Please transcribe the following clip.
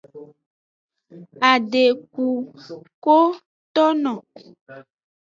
Adekukotono.